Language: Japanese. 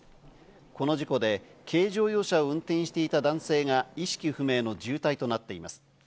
この事故で軽乗用車を運転していた男性が意識不明の重体となっています。